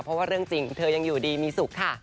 เพราะว่าเรื่องจริงเธอยังอยู่ดีมีสุขค่ะ